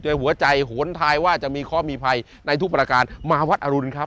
โดยหัวใจโหนทายว่าจะมีข้อมีภัยในทุกประการมาวัดอรุณครับ